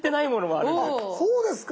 あっそうですか。